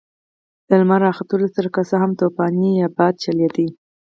له لمر راختلو سره که څه هم طوفاني باد چلېده.